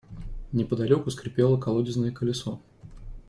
Неподалеку скрипело колодезное колесо.